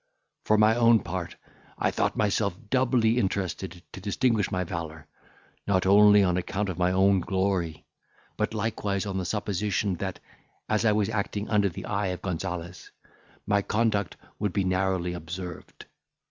For my own part, I thought myself doubly interested to distinguish my valour, not only on account of my own glory, but likewise on the supposition, that, as I was acting under the eye of Gonzales, my conduct would be narrowly observed.